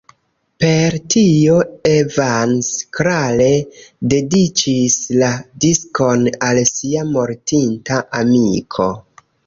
Per tio Evans klare dediĉis la diskon al sia mortinta amiko.